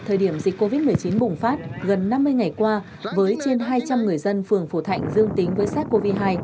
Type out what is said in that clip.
thời điểm dịch covid một mươi chín bùng phát gần năm mươi ngày qua với trên hai trăm linh người dân phường phổ thạnh dương tính với sars cov hai